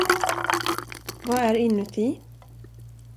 Vad är inuti?